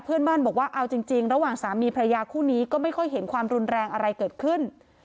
เพื่อนบ้านบอกว่าเอาจริงระหว่างสามีพระยาคู่นี้ก็ไม่ค่อยเห็นความรุนแรงอะไรเกิดขึ้น